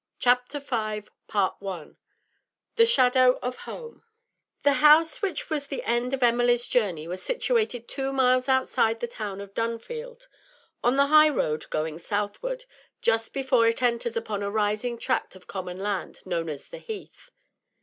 CHAPTER V THE SHADOW OF HOME The house which was the end of Emily's journey was situated two miles outside the town of Dunfield, on the high road going southward, just before it enters upon a rising tract of common land known as the Heath.